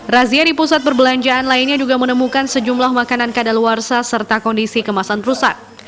razia di pusat perbelanjaan lainnya juga menemukan sejumlah makanan kadaluarsa serta kondisi kemasan rusak